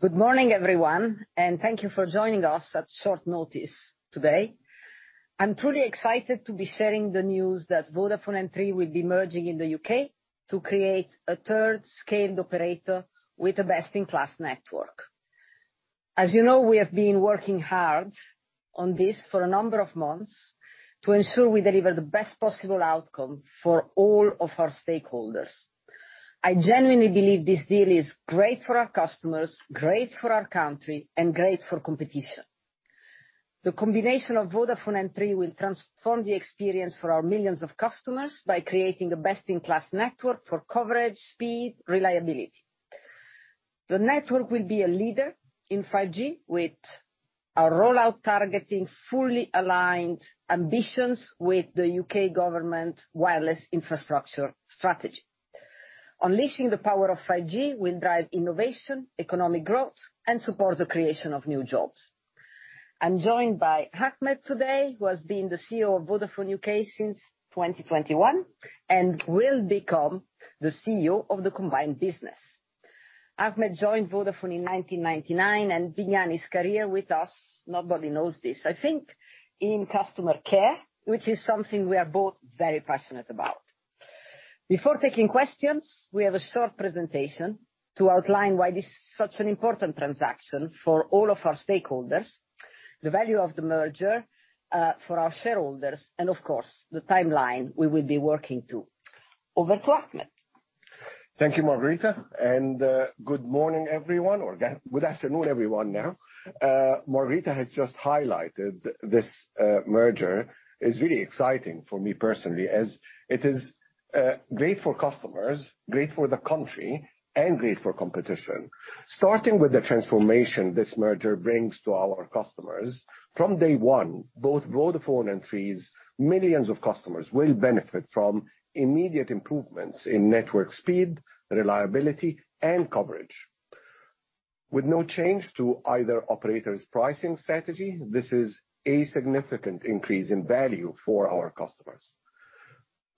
Good morning, everyone. Thank you for joining us at short notice today. I'm truly excited to be sharing the news that Vodafone and Three will be merging in the U.K. to create a third scaled operator with a best-in-class network. As you know, we have been working hard on this for a number of months to ensure we deliver the best possible outcome for all of our stakeholders. I genuinely believe this deal is great for our customers, great for our country and great for competition. The combination of Vodafone and Three will transform the experience for our millions of customers by creating a best-in-class network for coverage, speed, reliability. The network will be a leader in 5G, with our rollout targeting fully aligned ambitions with the U.K. government Wireless Infrastructure Strategy. Unleashing the power of 5G will drive innovation, economic growth and support the creation of new jobs. I'm joined by Ahmed today, who has been the CEO of Vodafone U.K. since 2021, and will become the CEO of the combined business. Ahmed joined Vodafone in 1999 and began his career with us, nobody knows this, I think, in customer care, which is something we are both very passionate about. Before taking questions, we have a short presentation to outline why this is such an important transaction for all of our stakeholders, the value of the merger, for our shareholders, and of course, the timeline we will be working to. Over to Ahmed. Thank you, Margherita, and good morning, everyone. Good afternoon, everyone, now. Margherita has just highlighted this merger is really exciting for me personally, as it is great for customers, great for the country, and great for competition. Starting with the transformation this merger brings to our customers, from day one, both Vodafone and Three's millions of customers will benefit from immediate improvements in network speed, reliability, and coverage. With no change to either operator's pricing strategy, this is a significant increase in value for our customers.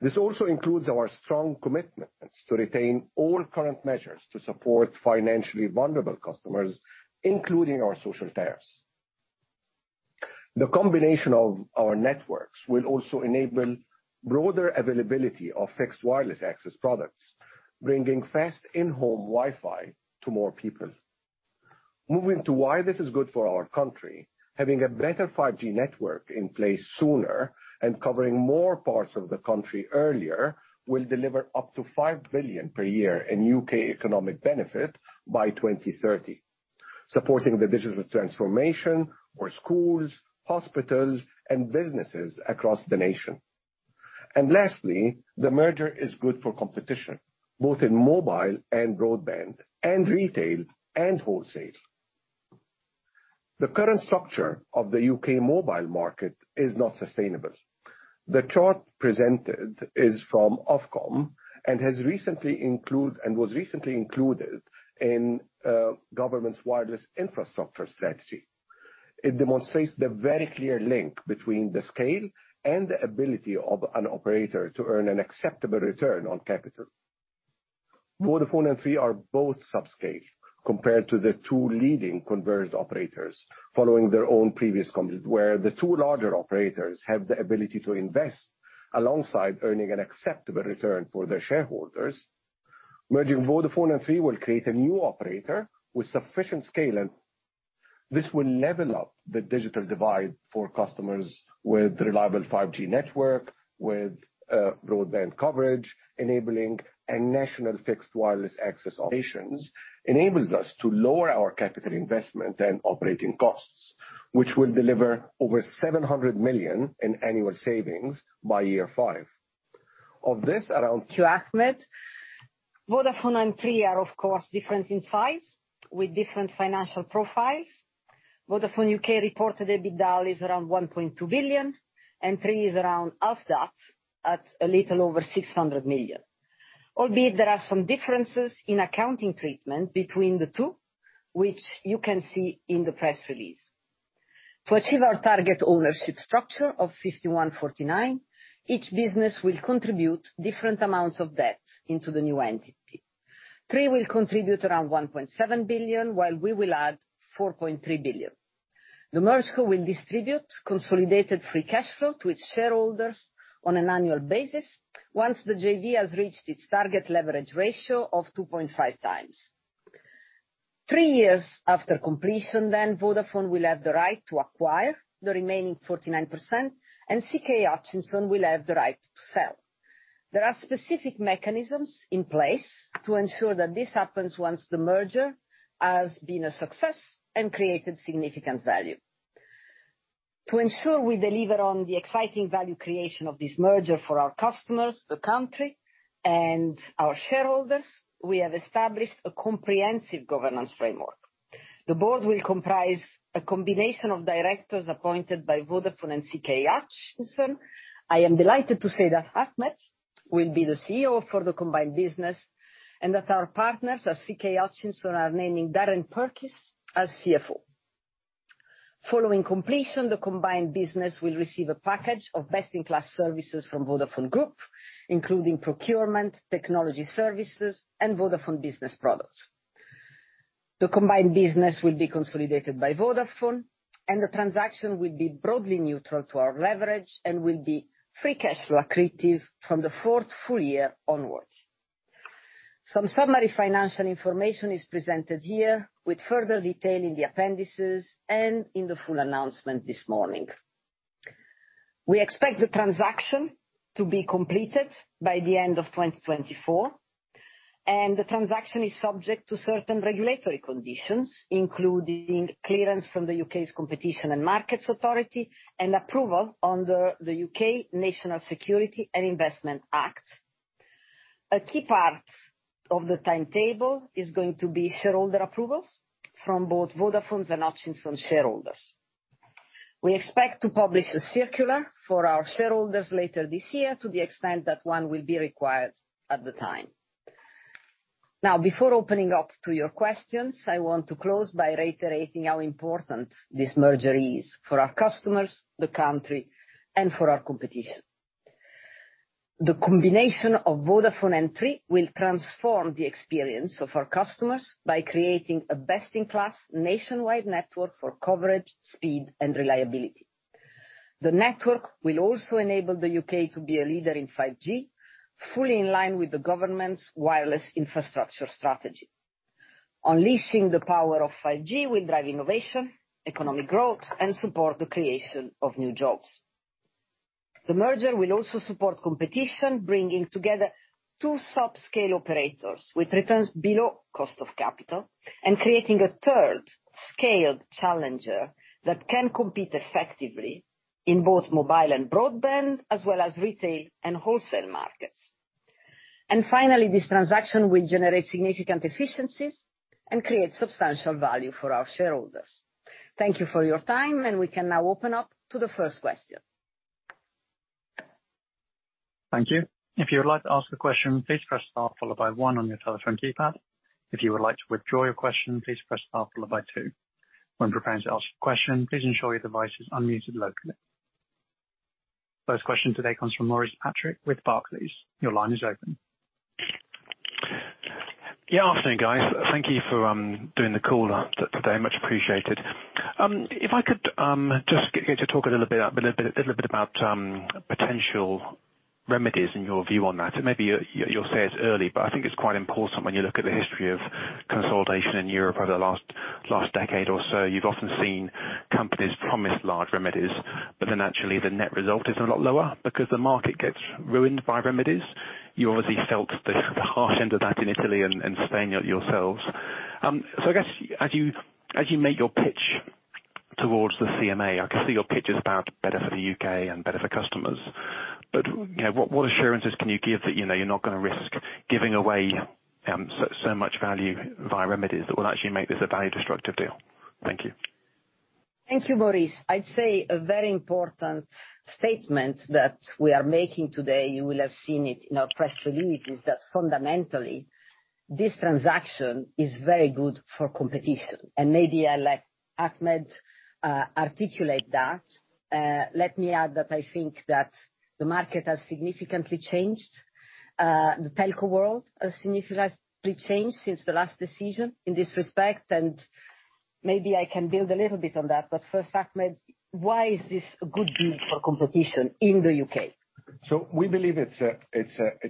This also includes our strong commitments to retain all current measures to support financially vulnerable customers, including our social tariffs. The combination of our networks will also enable broader availability of Fixed Wireless Access products, bringing fast in-home Wi-Fi to more people. Moving to why this is good for our country, having a better 5G network in place sooner and covering more parts of the country earlier, will deliver up to 5 billion per year in U.K. economic benefit by 2030. Supporting the digital transformation for schools, hospitals, and businesses across the nation. Lastly, the merger is good for competition, both in mobile and broadband, and retail, and wholesale. The current structure of the U.K. mobile market is not sustainable. The chart presented is from Ofcom and was recently included in government's Wireless Infrastructure Strategy. It demonstrates the very clear link between the scale and the ability of an operator to earn an acceptable return on capital. Vodafone and Three are both subscale compared to the two leading converged operators, following their own previous combinations, where the two larger operators have the ability to invest alongside earning an acceptable return for their shareholders. Merging Vodafone and Three will create a new operator with sufficient scale. This will level up the digital divide for customers with reliable 5G network, with broadband coverage, enabling a national fixed wireless access operations, enables us to lower our capital investment and operating costs, which will deliver over 700 million in annual savings by year five. Of this, around.... To Ahmed, Vodafone and Three are, of course, different in size, with different financial profiles. Vodafone U.K. reported EBITDA is around 1.2 billion, and Three is around half that, at a little over 600 million. Albeit, there are some differences in accounting treatment between the two, which you can see in the press release. To achieve our target ownership structure of 51, 49, each business will contribute different amounts of debt into the new entity. Three will contribute around 1.7 billion, while we will add 4.3 billion. The MergeCo will distribute consolidated free cash flow to its shareholders on an annual basis, once the JV has reached its target leverage ratio of 2.5x. Three years after completion, Vodafone will have the right to acquire the remaining 49%, and CK Hutchison will have the right to sell. There are specific mechanisms in place to ensure that this happens once the merger has been a success and created significant value. To ensure we deliver on the exciting value creation of this merger for our customers, the country, and our shareholders, we have established a comprehensive governance framework. The board will comprise a combination of directors appointed by Vodafone and CK Hutchison. I am delighted to say that Ahmed will be the CEO for the combined business, and that our partners at CK Hutchison are naming Darren Purkis as CFO. Following completion, the combined business will receive a package of best-in-class services from Vodafone Group, including procurement, technology services, and Vodafone business products. The combined business will be consolidated by Vodafone, and the transaction will be broadly neutral to our leverage and will be free cash flow accretive from the fourth full year onwards. Some summary financial information is presented here, with further detail in the appendices and in the full announcement this morning. We expect the transaction to be completed by the end of 2024, the transaction is subject to certain regulatory conditions, including clearance from the U.K.'s Competition and Markets Authority, and approval under the U.K. National Security and Investment Act. A key part of the timetable is going to be shareholder approvals from both Vodafone's and Hutchison shareholders. We expect to publish a circular for our shareholders later this year, to the extent that one will be required at the time. Before opening up to your questions, I want to close by reiterating how important this merger is for our customers, the country, and for our competition. The combination of Vodafone and Three will transform the experience of our customers by creating a best-in-class nationwide network for coverage, speed, and reliability. The network will also enable the U.K. to be a leader in 5G, fully in line with the government's Wireless Infrastructure Strategy. Unleashing the power of 5G will drive innovation, economic growth, and support the creation of new jobs. The merger will also support competition, bringing together two subscale operators with returns below cost of capital and creating a third scaled challenger that can compete effectively in both mobile and broadband, as well as retail and wholesale markets. Finally, this transaction will generate significant efficiencies and create substantial value for our shareholders. Thank you for your time, and we can now open up to the first question. Thank you. If you would like to ask a question, please press star followed by one on your telephone keypad. If you would like to withdraw your question, please press star followed by two. When preparing to ask a question, please ensure your device is unmuted locally. First question today comes from Maurice Patrick with Barclays. Your line is open. Yeah, afternoon, guys. Thank you for doing the call out today. Much appreciated. If I could just get you to talk a little bit about potential remedies and your view on that. Maybe you'll say it's early, but I think it's quite important when you look at the history of consolidation in Europe over the last decade or so, you've often seen companies promise large remedies, but then actually the net result is a lot lower because the market gets ruined by remedies. You obviously felt the harsh end of that in Italy and Spain yourselves. I guess as you make your pitch towards the CMA, I can see your pitch is about better for the U.K. and better for customers, but, you know, what assurances can you give that you know you're not gonna risk giving away so much value via remedies that will actually make this a value-destructive deal? Thank you. Thank you, Maurice. I'd say a very important statement that we are making today, you will have seen it in our press releases, that fundamentally, this transaction is very good for competition, and maybe I'll let Ahmed articulate that. Let me add that I think that the market has significantly changed. The telco world has significantly changed since the last decision in this respect, and maybe I can build a little bit on that. First, Ahmed, why is this a good deal for competition in the U.K.? We believe it's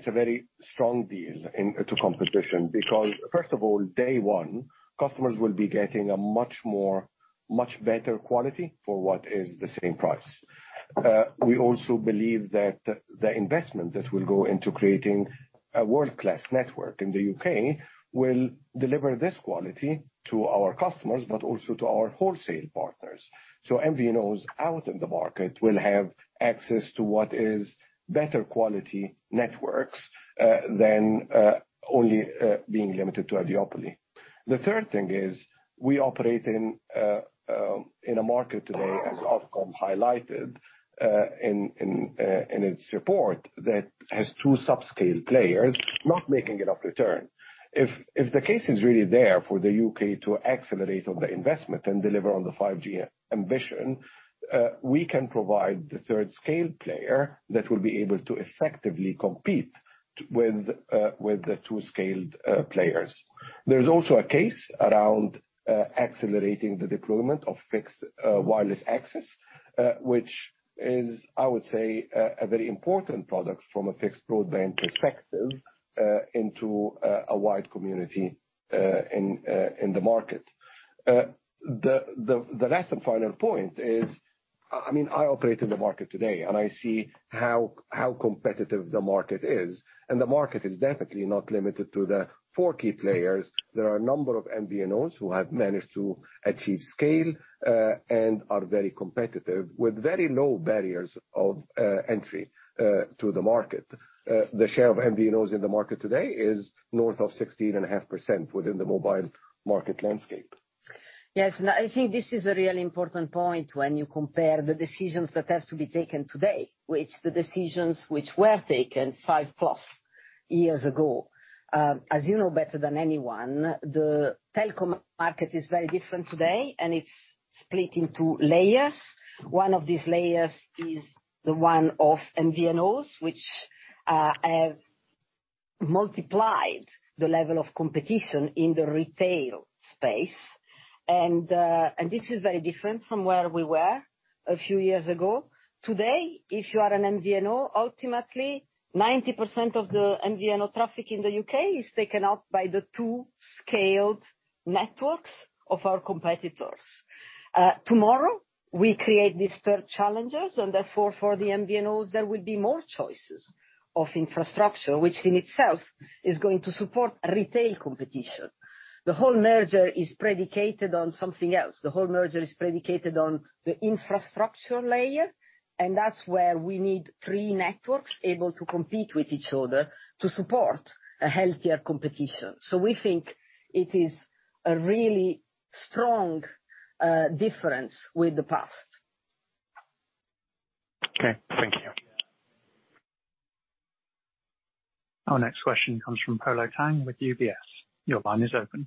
a very strong deal in, to competition, because first of all, day one, customers will be getting a much more, much better quality for what is the same price. We also believe that the investment that will go into creating a world-class network in the U.K. will deliver this quality to our customers, but also to our wholesale partners. MVNOs out in the market will have access to what is better quality networks than only being limited to a duopoly. The third thing is we operate in a market today, as Ofcom highlighted, in its report, that has two subscale players not making enough return. If the case is really there for the U.K. to accelerate on the investment and deliver on the 5G ambition, we can provide the third scale player that will be able to effectively compete with the two scaled players. There's also a case around accelerating the deployment of Fixed Wireless Access, which is, I would say, a very important product from a fixed broadband perspective, into a wide community in the market. The last and final point is, I mean, I operate in the market today, and I see how competitive the market is, and the market is definitely not limited to the four key players. There are a number of MVNOs who have managed to achieve scale, and are very competitive, with very low barriers of entry to the market. The share of MVNOs in the market today is north of 16.5% within the mobile market landscape. Yes, I think this is a really important point when you compare the decisions that have to be taken today, with the decisions which were taken five plus years ago. As you know better than anyone, the telecom market is very different today, and it's split into layers. One of these layers is the one of MVNOs, which have multiplied the level of competition in the retail space. This is very different from where we were a few years ago. Today, if you are an MVNO, ultimately, 90% of the MVNO traffic in the U.K. is taken up by the two scaled networks of our competitors. Tomorrow, we create these third challengers, and therefore, for the MVNOs, there will be more choices of infrastructure, which in itself is going to support retail competition. The whole merger is predicated on something else. The whole merger is predicated on the infrastructure layer, and that's where we need three networks able to compete with each other to support a healthier competition. We think it is a really strong, difference with the past. Okay, thank you. Our next question comes from Polo Tang with UBS. Your line is open.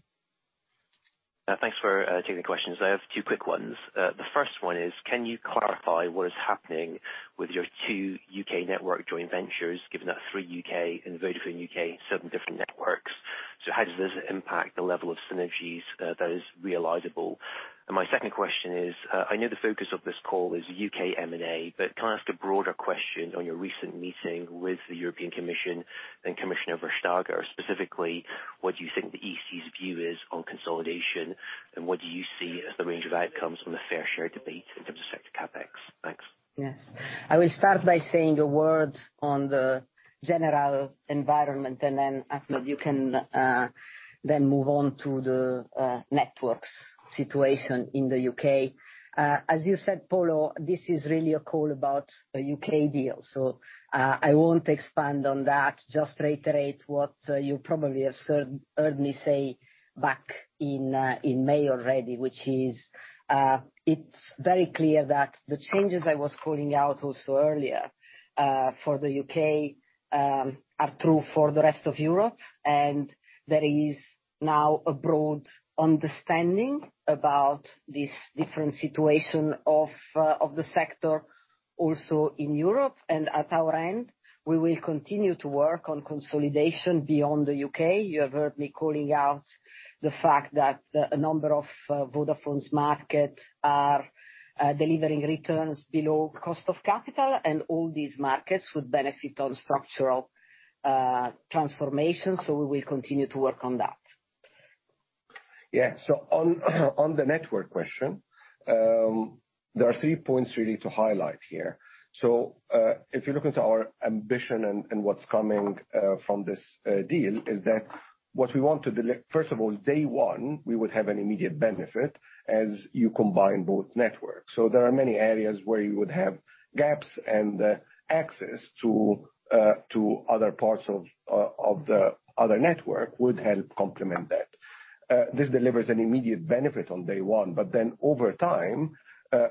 Thanks for taking the questions. I have two quick ones. The first one is, can you clarify what is happening with your two U.K. network joint ventures, given that Three U.K. and Vodafone U.K., seven different networks? How does this impact the level of synergies that is realizable? My second question is, I know the focus of this call is U.K. M&A, but can I ask a broader question on your recent meeting with the European Commission and Commissioner Vestager? Specifically, what do you think the EC's view is on consolidation, and what do you see as the range of outcomes from the fair share debate in terms of sector CapEx? Thanks. Yes. I will start by saying a word on the general environment, and then, Ahmed, you can then move on to the networks situation in the U.K. As you said, Polo, this is really a call about a U.K. deal, so I won't expand on that, just reiterate what you probably have heard me say back in May already, which is it's very clear that the changes I was calling out also earlier for the U.K. are true for the rest of Europe, and there is now a broad understanding about this different situation of the sector also in Europe. At our end, we will continue to work on consolidation beyond the U.K. You have heard me calling out the fact that a number of Vodafone's markets are delivering returns below cost of capital, and all these markets would benefit on structural transformation, so we will continue to work on that. On, on the network question, there are three points really to highlight here. If you look into our ambition and what's coming from this deal, is that what we want to. First of all, day one, we would have an immediate benefit as you combine both networks. There are many areas where you would have gaps, and access to other parts of the other network would help complement that. This delivers an immediate benefit on day one. Over time,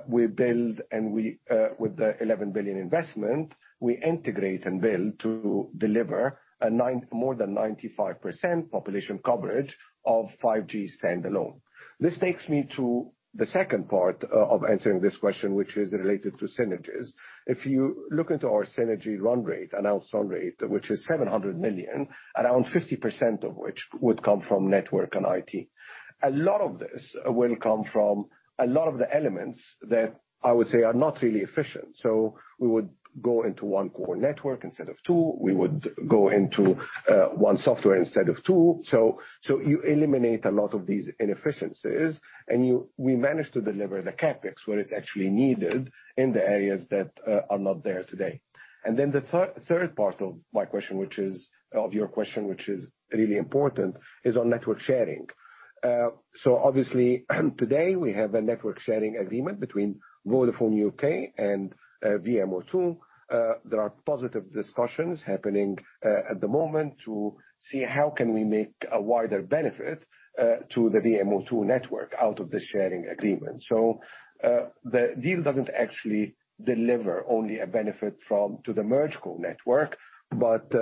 we build, and we with the 11 billion investment, we integrate and build to deliver a more than 95% population coverage of 5G Standalone. This takes me to the second part of answering this question, which is related to synergies. If you look into our synergy run rate, announced run rate, which is 700 million, around 50% of which would come from network and IT. A lot of this will come from a lot of the elements that I would say are not really efficient. We would go into one core network instead of two, we would go into one software instead of two. You eliminate a lot of these inefficiencies, and we manage to deliver the CapEx where it's actually needed in the areas that are not there today. The third part of my question, which is, of your question, which is really important, is on network sharing. Obviously, today, we have a network sharing agreement between Vodafone U.K. and VMO2. There are positive discussions happening at the moment to see how can we make a wider benefit to the VMO2 network out of the sharing agreement. The deal doesn't actually deliver only a benefit from, to the MergeCo network, but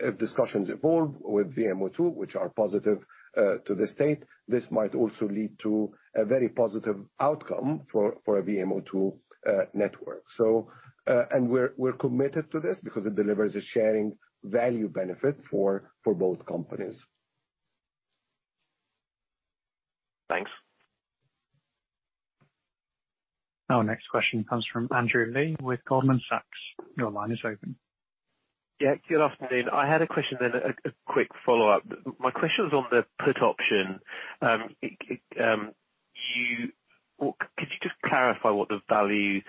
if discussions evolve with VMO2, which are positive to the state, this might also lead to a very positive outcome for a VMO2 network. We're committed to this because it delivers a sharing value benefit for both companies. Thanks. Our next question comes from Andrew Lee with Goldman Sachs. Your line is open. Yeah, good afternoon. I had a question, then a quick follow-up. My question was on the put option. Could you just clarify what the value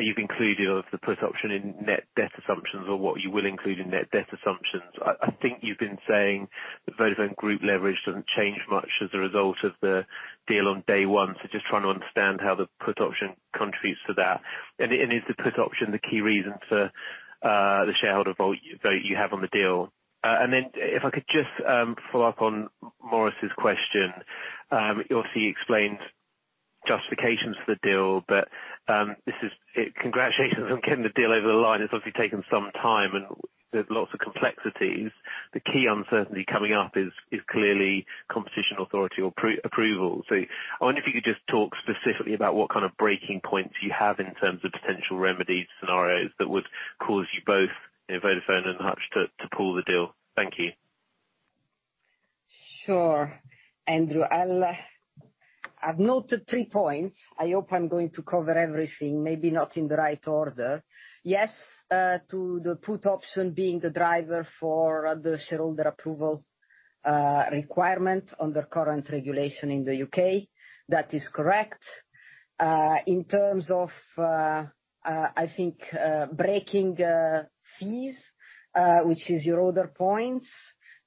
you've included of the put option in net debt assumptions or what you will include in net debt assumptions? I think you've been saying that Vodafone Group leverage doesn't change much as a result of the deal on day one, so just trying to understand how the put option contributes to that. Is the put option the key reason for the shareholder vote you have on the deal? Then if I could just follow up on Maurice's question, you obviously explained justifications for the deal, but this is congratulations on getting the deal over the line. It's obviously taken some time, and there's lots of complexities. The key uncertainty coming up is clearly Competition Authority approval. I wonder if you could just talk specifically about what kind of breaking points you have in terms of potential remedy scenarios that would cause you both, you know, Vodafone and Hutch, to pull the deal. Thank you. Sure, Andrew. I've noted three points. I hope I'm going to cover everything, maybe not in the right order. To the put option being the driver for the shareholder approval requirement under current regulation in the U.K. That is correct. In terms of, I think, breaking fees, which is your other point,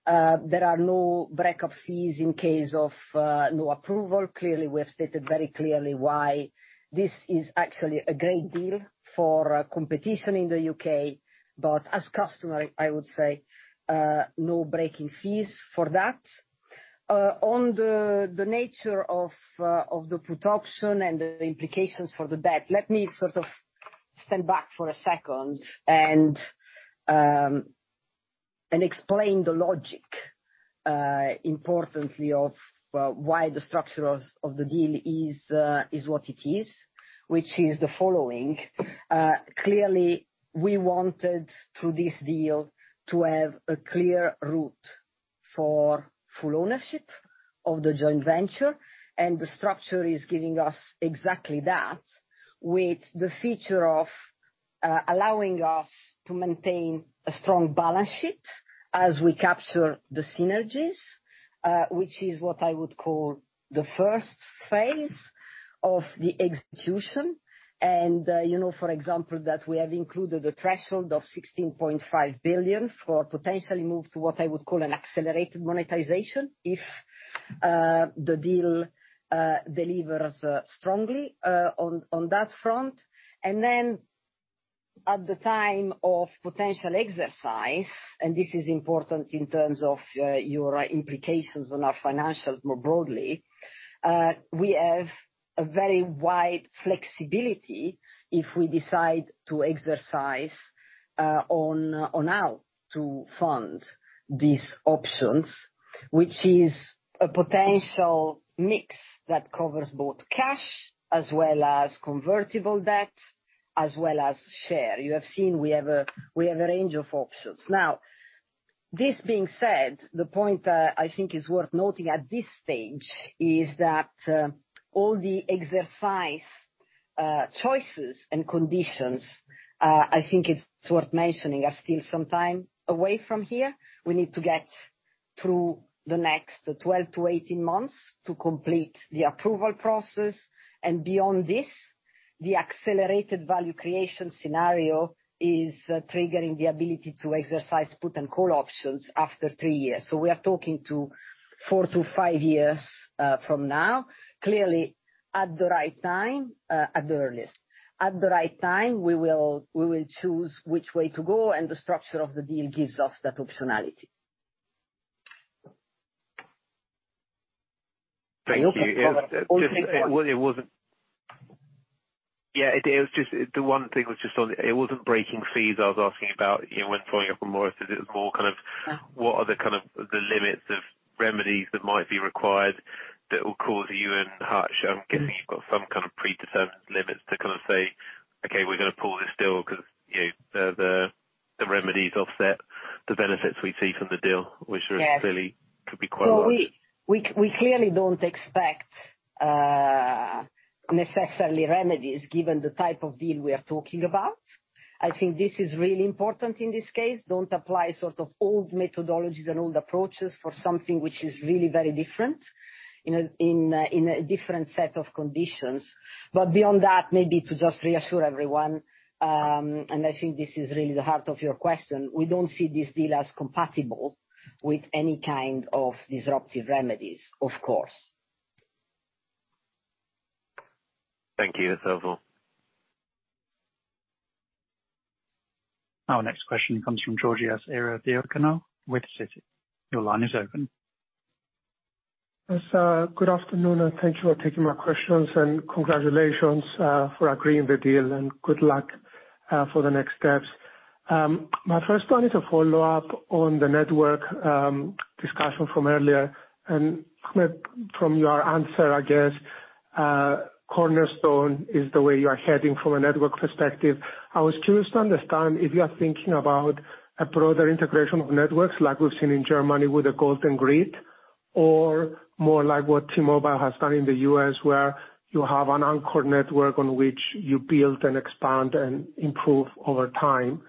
there are no breakup fees in case of no approval. Clearly, we have stated very clearly why this is actually a great deal for competition in the U.K., but as customer, I would say, no breaking fees for that. On the nature of the put option and the implications for the debt, let me sort of stand back for a second and explain the logic, importantly, of, why the structure of the deal is what it is, which is the following: clearly, we wanted, through this deal, to have a clear route for full ownership of the joint venture, and the structure is giving us exactly that, with the feature of, allowing us to maintain a strong balance sheet as we capture the synergies, which is what I would call the first phase of the execution. You know, for example, that we have included a threshold of 16.5 billion for potentially move to what I would call an accelerated monetization, if the deal delivers strongly on that front. Then, at the time of potential exercise, and this is important in terms of your implications on our financials more broadly, we have a very wide flexibility if we decide to exercise on how to fund these options, which is a potential mix that covers both cash as well as convertible debt, as well as share. You have seen we have a range of options. This being said, the point that I think is worth noting at this stage is that all the exercise choices and conditions, I think it's worth mentioning, are still some time away from here. We need to get through the next 12 to 18 months to complete the approval process. Beyond this, the accelerated value creation scenario is triggering the ability to exercise put and call options after three years. We are talking to four to five years from now. Clearly, at the right time, at the earliest. At the right time, we will choose which way to go, and the structure of the deal gives us that optionality. Thank you. I hope I covered all the points. The one thing was just on, it wasn't breaking fees I was asking about, you know, when following up on Maurice, is it was more kind of. Yeah. what are the, kind of, the limits of remedies that might be required that will cause you and Hutch, I'm guessing you've got some kind of predetermined limits to kind of say, "Okay, we're going to pull this deal because, you know, the remedies offset the benefits we see from the deal," which really? Yes. could be quite a lot. We clearly don't expect necessarily remedies, given the type of deal we are talking about. I think this is really important in this case. Don't apply sort of old methodologies and old approaches for something which is really very different, in a different set of conditions. Beyond that, maybe to just reassure everyone, and I think this is really the heart of your question, we don't see this deal as compatible with any kind of disruptive remedies, of course. Thank you. That's helpful. Our next question comes from Georgios Ierodiaconou with Citi. Your line is open. Yes, good afternoon, thank you for taking my questions, congratulations for agreeing the deal, good luck for the next steps. My first one is a follow-up on the network discussion from earlier. From your answer, I guess, Cornerstone is the way you are heading from a network perspective. I was curious to understand if you are thinking about a broader integration of networks, like we've seen in Germany with the golden grid, or more like what T-Mobile has done in the U.S., where you have an anchor network on which you build and expand and improve over time?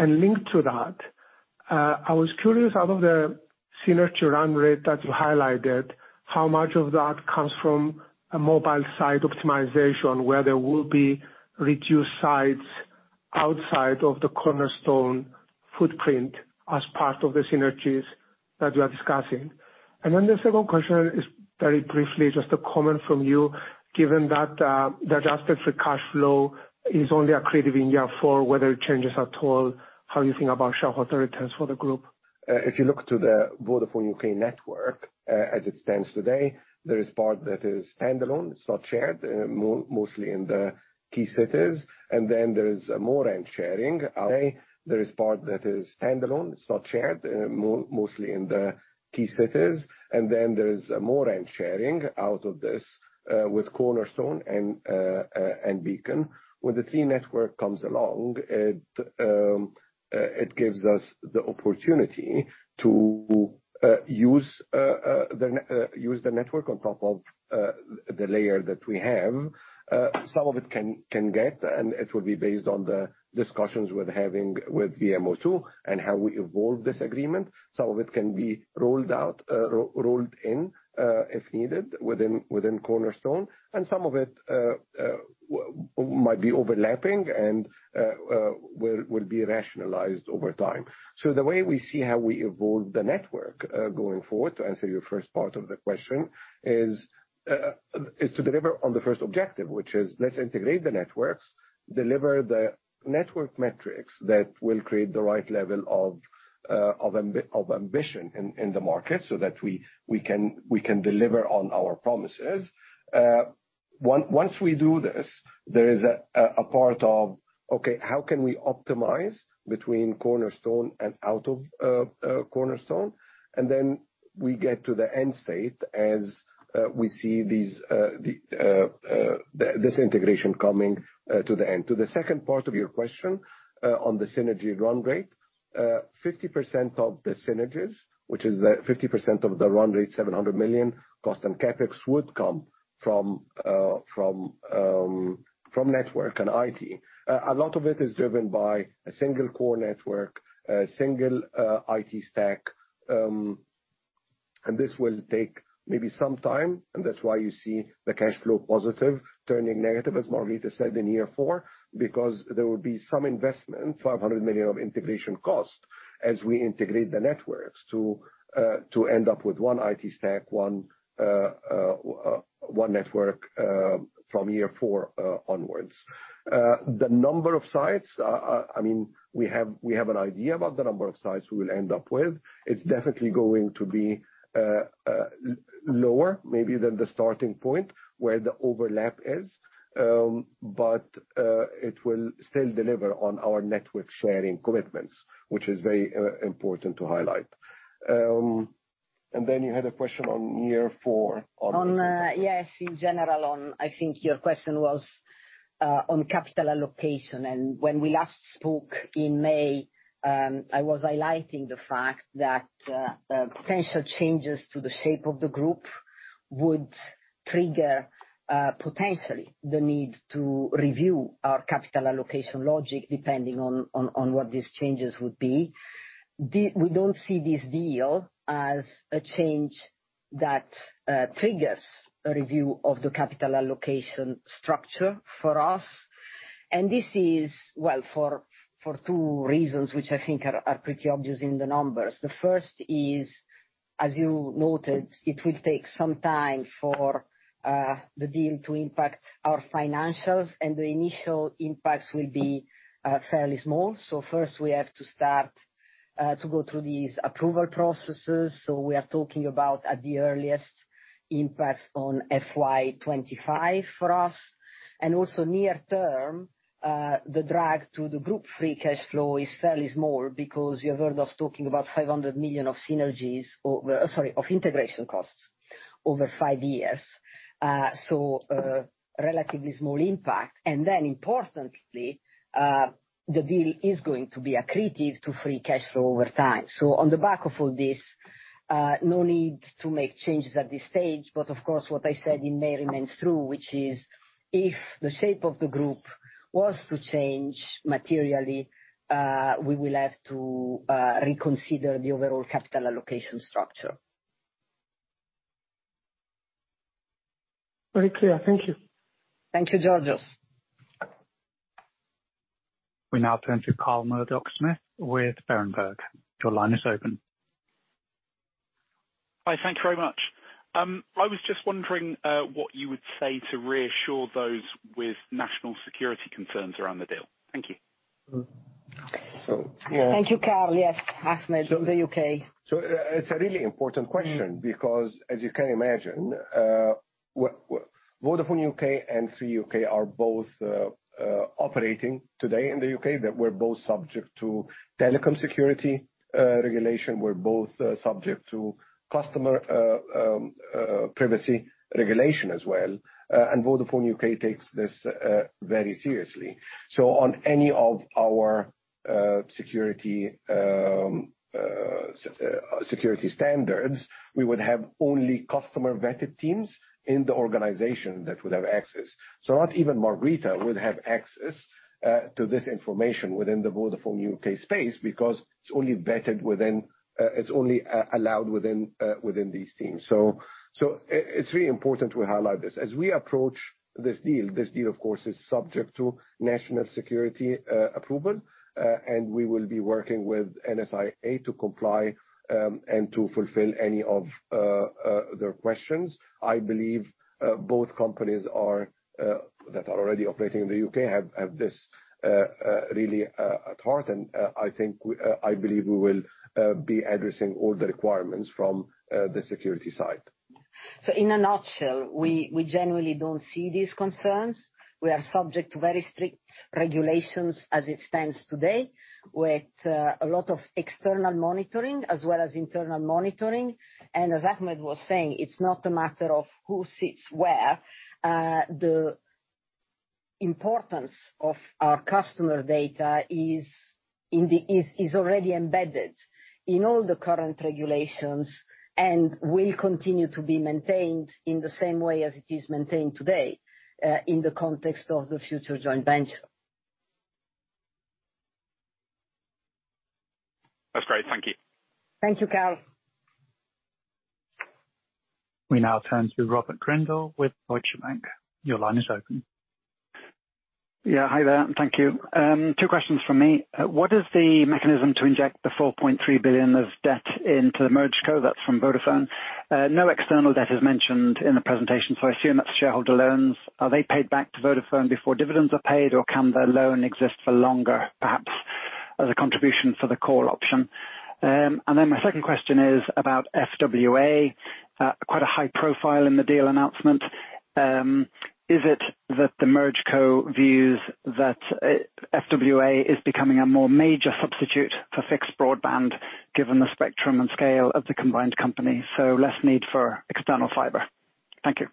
Linked to that, I was curious, out of the signature run rate that you highlighted, how much of that comes from a mobile site optimization, where there will be reduced sites outside of the Cornerstone footprint as part of the synergies that you are discussing? The second question is very briefly, just a comment from you. Given that the adjusted free cash flow is only accretive in year four, whether it changes at all how you think about shareholder returns for the group? If you look to the Vodafone U.K. network, as it stands today, there is part that is standalone, it's not shared, mostly in the key cities, and then there's more end sharing. Okay? There is part that is standalone, it's not shared, mostly in the key cities, and then there's more end sharing out of this, with Cornerstone and Beacon. When the Three network comes along, it gives us the opportunity to use the network on top of the layer that we have. Some of it can get, and it will be based on the discussions we're having with VMO2, and how we evolve this agreement. Some of it can be rolled out, rolled in, if needed, within Cornerstone, and some of it might be overlapping and will be rationalized over time. The way we see how we evolve the network, going forward, to answer your first part of the question, is to deliver on the first objective, which is let's integrate the networks, deliver the network metrics that will create the right level of ambition in the market, so that we can deliver on our promises. Once we do this, there is a part of, okay, how can we optimize between Cornerstone and out of, Cornerstone? We get to the end state as we see these, the, this integration coming to the end. To the second part of your question, on the synergy run rate, 50% of the synergies, which is the 50% of the run rate, 700 million cost and CapEx would come from network and IT. A lot of it is driven by a single core network, a single IT stack, and this will take maybe some time, and that's why you see the cash flow positive, turning negative, as Margherita said, in year four, because there will be some investment, 500 million of integration costs, as we integrate the networks to end up with 1 IT stack, one network, from year four onwards. The number of sites, I mean, we have an idea about the number of sites we will end up with. It's definitely going to be lower maybe than the starting point where the overlap is. It will still deliver on our network sharing commitments, which is very important to highlight. Then you had a question on year four. On, yes, in general, on. I think your question was on capital allocation. When we last spoke in May, I was highlighting the fact that potential changes to the shape of the group would trigger potentially the need to review our capital allocation logic, depending on what these changes would be. We don't see this deal as a change that triggers a review of the capital allocation structure for us. This is, well, for two reasons, which I think are pretty obvious in the numbers. The first is, as you noted, it will take some time for the deal to impact our financials, and the initial impacts will be fairly small. First, we have to start to go through these approval processes. We are talking about, at the earliest, impact on FY 2025 for us. And also near term, the drag to the group free cash flow is fairly small because you have heard us talking about 500 million of synergies over, sorry, of integration costs over five years. So, relatively small impact. And then importantly, the deal is going to be accretive to free cash flow over time. So on the back of all this, no need to make changes at this stage, but of course, what I said in May remains true, which is if the shape of the group was to change materially, we will have to reconsider the overall capital allocation structure. Very clear. Thank you. Thank you, Georgios. We now turn to Carl Murdock-Smith with Berenberg. Your line is open. Hi. Thank you very much. I was just wondering what you would say to reassure those with national security concerns around the deal? Thank you. Yeah. Thank you, Carl. Yes, Ahmed, from the U.K. It's a really important question because, as you can imagine, Vodafone U.K. and Three U.K. are both operating today in the U.K., that we're both subject to telecom security regulation. We're both subject to customer privacy regulation as well, and Vodafone U.K. takes this very seriously. On any of our security standards, we would have only customer-vetted teams in the organization that would have access. Not even Margherita would have access to this information within the Vodafone U.K. space, because it's only vetted within it's only allowed within within these teams. It's really important we highlight this. As we approach this deal, of course, is subject to national security approval, and we will be working with NSIA to comply and to fulfill any of their questions. I believe both companies are that are already operating in the U.K. have this really at heart, and I think I believe we will be addressing all the requirements from the security side. In a nutshell, we generally don't see these concerns. We are subject to very strict regulations as it stands today, with a lot of external monitoring as well as internal monitoring. As Ahmed was saying, it's not a matter of who sits where, the importance of our customer data is already embedded in all the current regulations, and will continue to be maintained in the same way as it is maintained today, in the context of the future joint venture. That's great. Thank you. Thank you, Carl. We now turn to Robert Grindle with Deutsche Bank. Your line is open. Hi there. Thank you. Two questions from me. What is the mechanism to inject the 4.3 billion of debt into the MergeCo? That's from Vodafone. No external debt is mentioned in the presentation, I assume that's shareholder loans. Are they paid back to Vodafone before dividends are paid, or can the loan exist for longer, perhaps, as a contribution for the call option? My second question is about FWA. Quite a high profile in the deal announcement. Is it that the MergeCo views that FWA is becoming a more major substitute for fixed broadband, given the spectrum and scale of the combined company, less need for external fiber? Thank you.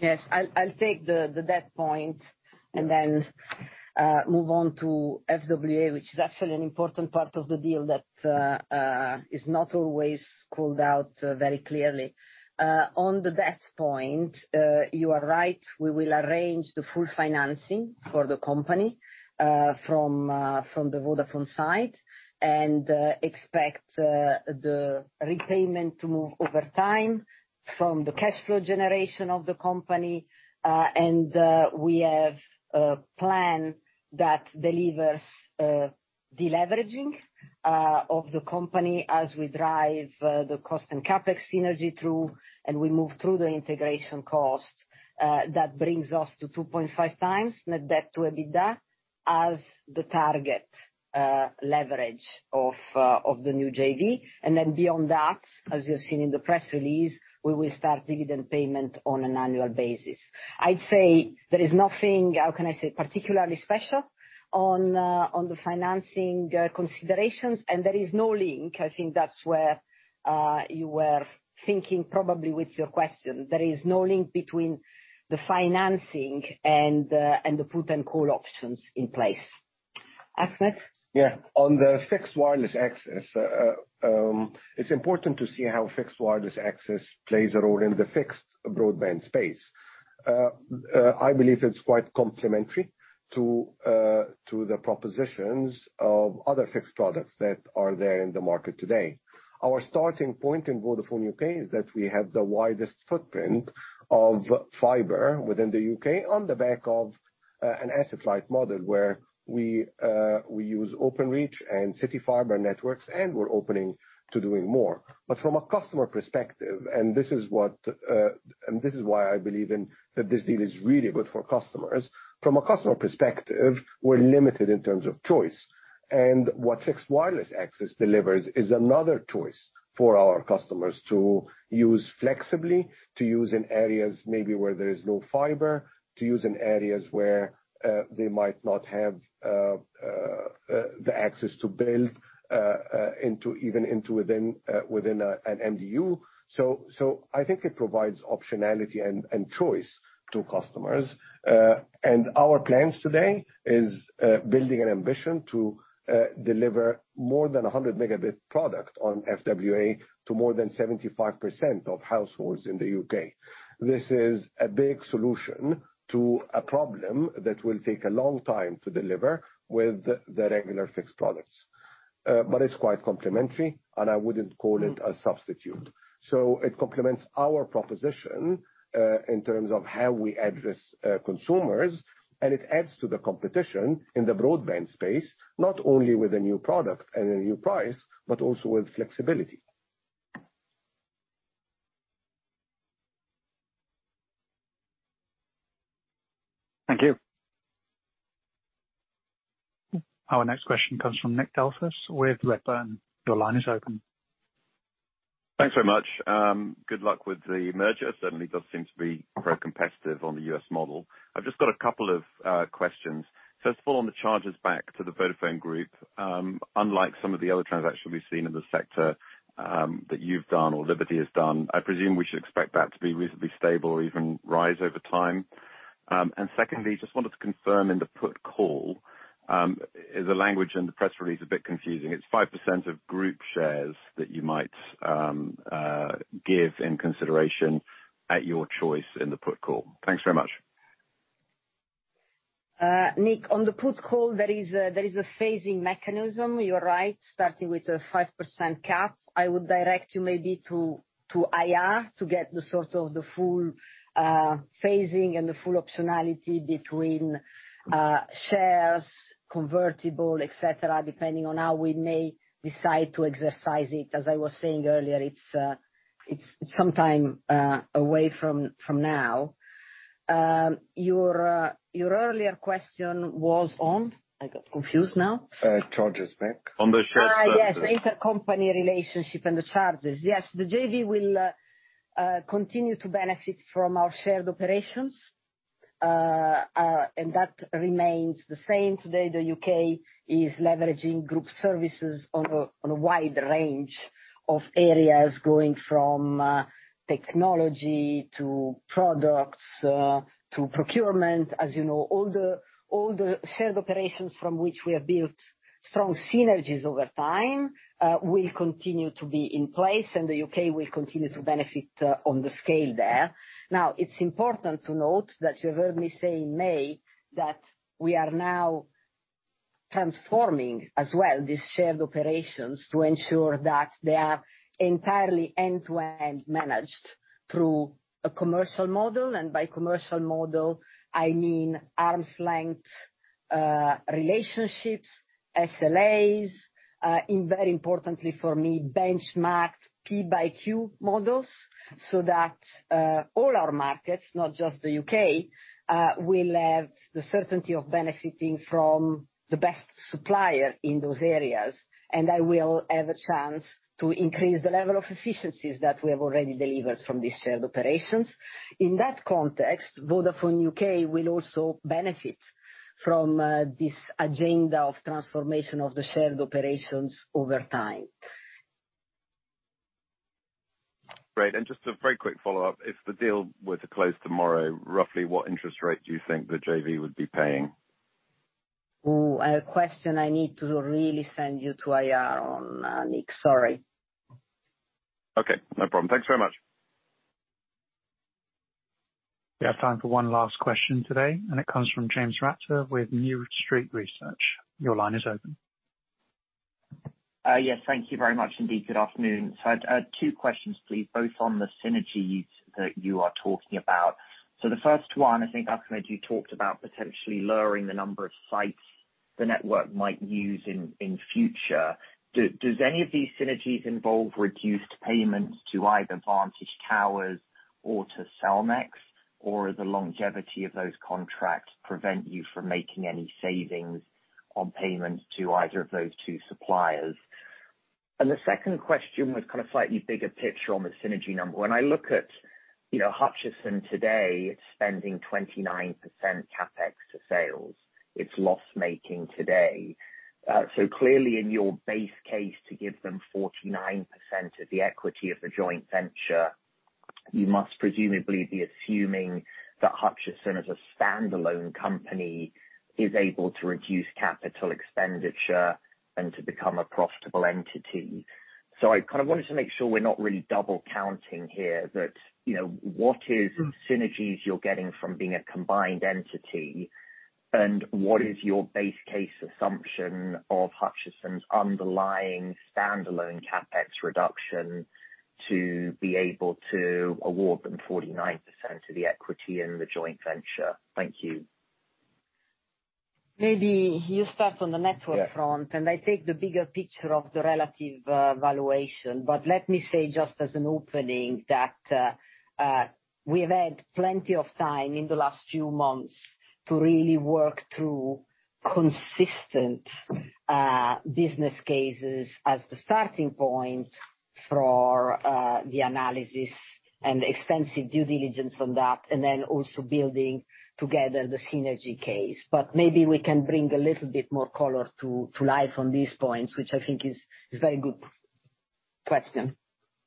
Yes. I'll take the debt point. Yeah. Then move on to FWA, which is actually an important part of the deal that is not always called out very clearly. On the debt point, you are right, we will arrange the full financing for the company from the Vodafone side, expect the repayment to move over time from the cash flow generation of the company. We have a plan that delivers deleveraging of the company as we drive the cost and CapEx synergy through, and we move through the integration cost. That brings us to 2.5x net debt to EBITDA, as the target leverage of the new JV. Then beyond that, as you have seen in the press release, we will start dividend payment on an annual basis. I'd say there is nothing, how can I say, particularly special on on the financing considerations, and there is no link. I think that's where you were thinking probably with your question. There is no link between the financing and the put and call options in place. Ahmed? Yeah. On the Fixed Wireless Access, it's important to see how Fixed Wireless Access plays a role in the fixed broadband space. I believe it's quite complementary to the propositions of other fixed products that are there in the market today. Our starting point in Vodafone U.K. is that we have the widest footprint of fiber within the U.K., on the back of an asset-light model, where we use Openreach and CityFibre networks, and we're opening to doing more. From a customer perspective, and this is why I believe in, that this deal is really good for customers. From a customer perspective, we're limited in terms of choice. What fixed wireless access delivers is another choice for our customers to use flexibly, to use in areas maybe where there is no fiber, to use in areas where they might not have the access to build even into within a an MDU. I think it provides optionality and choice to customers. Our plans today is building an ambition to deliver more than a 100 megabit product on FWA to more than 75% of households in the U.K. This is a big solution to a problem that will take a long time to deliver with the regular fixed products. It's quite complementary, and I wouldn't call it a substitute. It complements our proposition in terms of how we address consumers, and it adds to the competition in the broadband space, not only with a new product and a new price, but also with flexibility. Thank you. Our next question comes from Nick Delfas with Redburn. Your line is open. Thanks very much. Good luck with the merger. Certainly does seem to be very competitive on the U.S. model. I've just got a couple of questions. First of all, on the charges back to the Vodafone Group, unlike some of the other transactions we've seen in the sector, that you've done or Liberty has done, I presume we should expect that to be reasonably stable or even rise over time? Secondly, just wanted to confirm in the put call, the language in the press release is a bit confusing. It's 5% of group shares that you might give in consideration at your choice in the put call. Thanks very much. Nick, on the put call, there is a phasing mechanism, you're right, starting with a 5% cap. I would direct you maybe to IR, to get the sort of the full phasing and the full optionality between shares, convertible, et cetera, depending on how we may decide to exercise it. As I was saying earlier, it's sometime away from now. Your earlier question was on? I got confused now. Charges back. On the shared services. Yes, intercompany relationship and the charges. Yes, the JV will continue to benefit from our shared operations. That remains the same. Today, the U.K. is leveraging group services on a wide range of areas, going from technology to products, to procurement. As you know, all the shared operations from which we have built strong synergies over time, will continue to be in place, and the U.K. will continue to benefit on the scale there. Now, it's important to note that you heard me say in May, that we are now transforming as well, these shared operations, to ensure that they are entirely end-to-end managed through a commercial model, and by commercial model I mean arm's length relationships, SLAs, and very importantly for me, benchmarked P by Q models. That all our markets, not just the U.K., will have the certainty of benefiting from the best supplier in those areas. I will have a chance to increase the level of efficiencies that we have already delivered from these shared operations. In that context, Vodafone U.K. will also benefit from this agenda of transformation of the shared operations over time. Great. Just a very quick follow-up: If the deal were to close tomorrow, roughly, what interest rate do you think the JV would be paying? A question I need to really send you to IR on, Nick. Sorry. Okay, no problem. Thanks very much. We have time for one last question today, and it comes from James Ratzer with New Street Research. Your line is open. Yes, thank you very much indeed. Good afternoon. I had, two questions please, both on the synergies that you are talking about. The first one, I think, Ahmed, you talked about potentially lowering the number of sites the network might use in future. Does any of these synergies involve reduced payments to either Vantage Towers or to Cellnex, or the longevity of those contracts prevent you from making any savings on payments to either of those two suppliers? The second question was kind of slightly bigger picture on the synergy number. When I look at, you know, Hutchison today, it's spending 29% CapEx to sales. It's loss-making today. Clearly in your base case, to give them 49% of the equity of the joint venture, you must presumably be assuming that Hutchison, as a standalone company, is able to reduce capital expenditure and to become a profitable entity. I kind of wanted to make sure we're not really double counting here. That, you know, what is the synergies you're getting from being a combined entity, and what is your base case assumption of Hutchison's underlying standalone CapEx reduction to be able to award them 49% of the equity in the joint venture? Thank you. Maybe you start on the network front. Yeah. I take the bigger picture of the relative valuation. Let me say, just as an opening, that we have had plenty of time in the last few months to really work through consistent business cases as the starting point for the analysis and extensive due diligence from that, and then also building together the synergy case. Maybe we can bring a little bit more color to life on these points, which I think is very good question.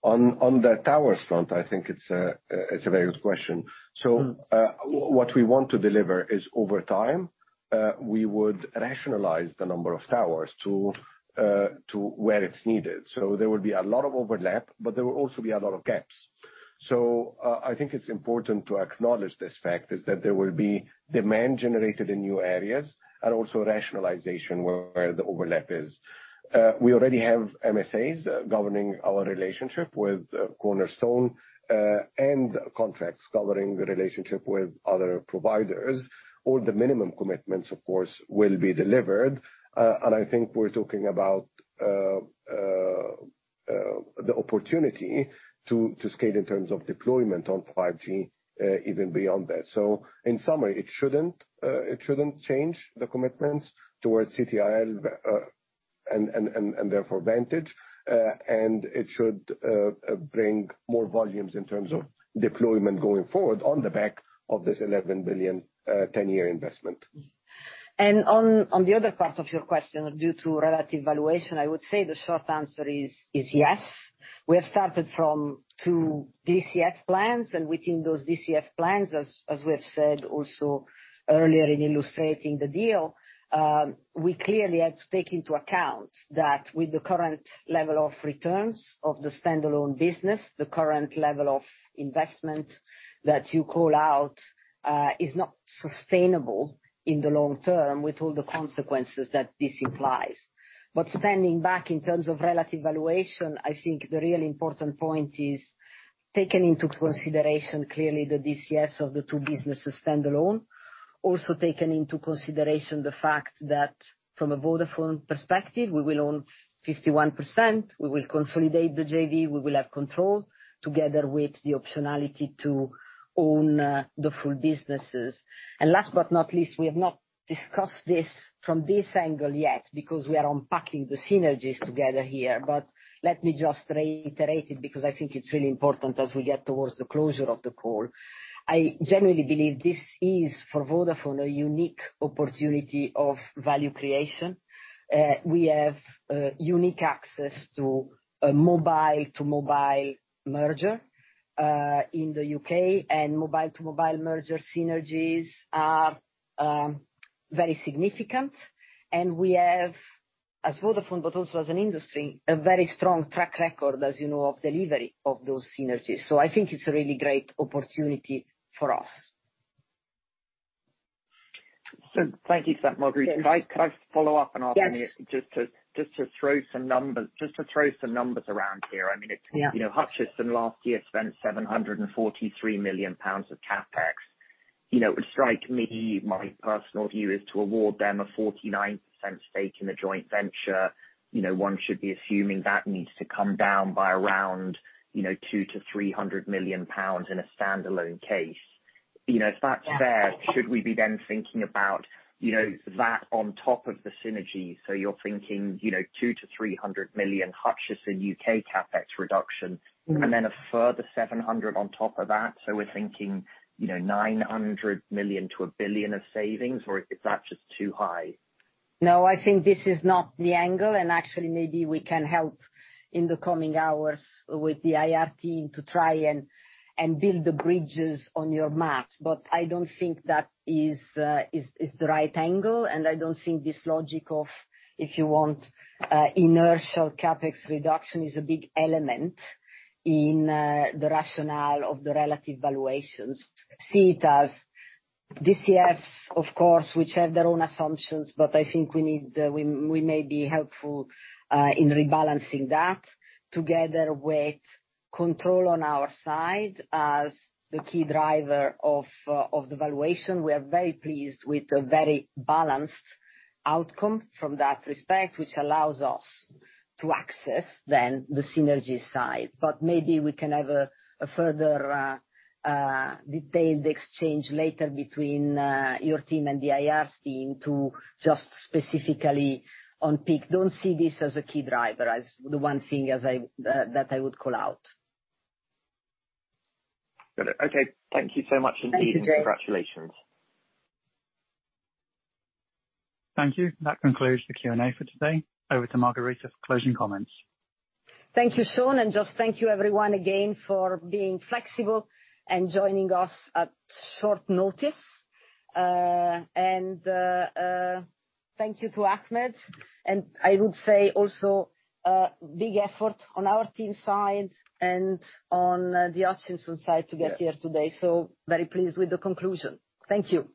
On the tower front, I think it's a very good question. What we want to deliver is, over time, we would rationalize the number of towers to where it's needed. There would be a lot of overlap, but there will also be a lot of gaps. I think it's important to acknowledge this fact, is that there will be demand generated in new areas and also rationalization where the overlap is. We already have MSAs governing our relationship with Cornerstone and contracts covering the relationship with other providers. All the minimum commitments, of course, will be delivered. I think we're talking about the opportunity to scale in terms of deployment on 5G even beyond that. In summary, it shouldn't change the commitments towards CTIL, and therefore Vantage, and it should bring more volumes in terms of deployment going forward on the back of this 11 billion, 10-year investment. On the other part of your question, due to relative valuation, I would say the short answer is yes. We have started from two DCF plans, and within those DCF plans, as we have said also earlier in illustrating the deal, we clearly had to take into account that with the current level of returns of the standalone business, the current level of investment that you call out, is not sustainable in the long term, with all the consequences that this implies. Standing back in terms of relative valuation, I think the really important point is taking into consideration clearly the DCFs of the two businesses standalone. Also taken into consideration the fact that from a Vodafone perspective, we will own 51%. We will consolidate the JV. We will have control, together with the optionality to own the full businesses. Last but not least, we have not discussed this from this angle yet because we are unpacking the synergies together here. Let me just reiterate it, because I think it's really important as we get towards the closure of the call. I generally believe this is, for Vodafone, a unique opportunity of value creation. We have unique access to a mobile-to-mobile merger in the U.K., and mobile-to-mobile merger synergies are very significant. We have, as Vodafone, but also as an industry, a very strong track record, as you know, of delivery of those synergies. I think it's a really great opportunity for us. Thank you for that, Margherita. Yes. Can I follow up and ask- Yes. just to throw some numbers around here, I mean… Yeah. You know, Hutchison last year spent 743 million pounds of CapEx. You know, it would strike me, my personal view, is to award them a 49% stake in the joint venture. You know, one should be assuming that needs to come down by around, you know, 200 million-300 million pounds in a standalone case. You know, if that's fair- Yeah. Should we be then thinking about, you know, that on top of the synergies? You're thinking, you know, 200 million-300 million Hutchison U.K. CapEx reduction. Mm-hmm. A further 700 on top of that. We're thinking, you know, 900 million-1 billion of savings, or is that just too high? No, I think this is not the angle, actually, maybe we can help in the coming hours with the IR team to try and build the bridges on your math. I don't think that is the right angle, and I don't think this logic of, if you want, inertial CapEx reduction, is a big element in the rationale of the relative valuations. See it as DCFs, of course, which have their own assumptions, I think we may be helpful in rebalancing that, together with control on our side as the key driver of the valuation. We are very pleased with the very balanced outcome from that respect, which allows us to access then the synergy side. Maybe we can have a further detailed exchange later between your team and the IR team to just specifically on peak. Don't see this as a key driver, as the one thing that I would call out. Got it. Okay, thank you so much indeed. Thank you, James. Congratulations. Thank you. That concludes the Q&A for today. Over to Margherita for closing comments. Thank you, Shaun, and just thank you everyone again for being flexible and joining us at short notice. Thank you to Ahmed, and I would say also, a big effort on our team side and on the Hutchison side to get here today. Yeah. Very pleased with the conclusion. Thank you.